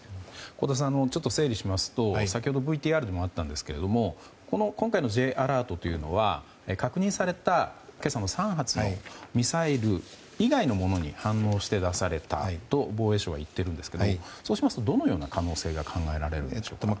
香田さん、整理しますと先ほどＶＴＲにもあったんですが今回のＪアラートというのは確認された今朝の３発のミサイル以外のものに反応して出されたと防衛省は言っているんですがそうしますとどのような可能性が考えられるでしょうか。